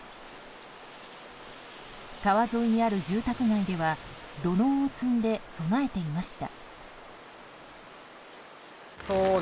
川沿いにある住宅街では土のうを積んで備えていました。